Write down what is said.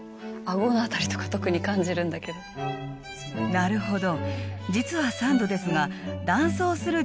なるほど。